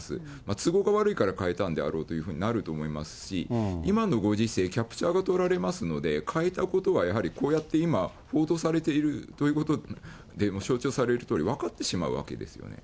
都合が悪いから変えたんであろうというふうになると思いますし、今のご時世、キャプチャーが取られますので、変えたことがやはり、こうやって今、報道されているということでも象徴されるとおり、分かってしまうわけですよね。